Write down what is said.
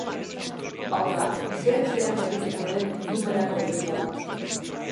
Hau da, ezerezean geldituko den mundu mailako beldur bat da.